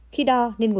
khi đo nên ngủ